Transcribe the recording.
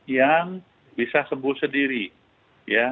yang bisa sembuh sendiri ya